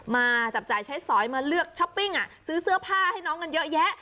มาจับจ่ายใช้สอยมาเลือกช้อปปิ้งซื้อเสื้อผ้าให้น้องกันเยอะแยะ